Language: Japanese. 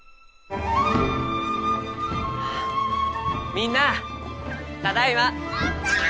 みんなあただいま！